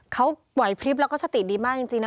เขาปล่อยพริบแล้วก็สติดีมากจริงนะ